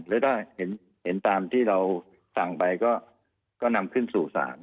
หรือถ้าเห็นตามที่เราสั่งไปก็นำขึ้นสู่ศาล